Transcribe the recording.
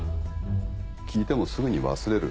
聞いてもすぐに忘れる。